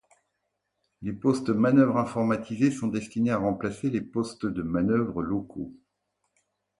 Les postes manœuvre informatisés sont destinés à remplacer les postes de manœuvre locaux.